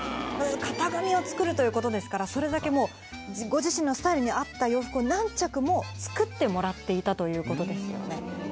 型紙を作るということですからそれだけもうご自身のスタイルに合った洋服を何着も作ってもらっていたということですよね。